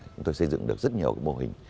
chúng tôi xây dựng được rất nhiều mô hình